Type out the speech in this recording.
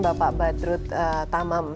bapak badrut tamam